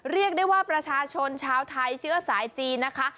เรียกได้ว่าประชาชนชาวไทยเชื้อสายจีนนะคะ